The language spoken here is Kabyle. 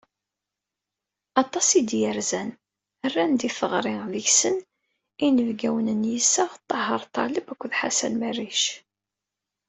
Aṭas i d-yerzan, rran-d i teɣṛi, deg-sen inebgawen n yiseɣ, Taheṛ Ṭaleb d Ḥsen Merric.